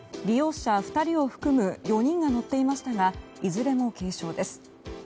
利用者２人を含む４人が乗っていましたがいずれも軽傷です。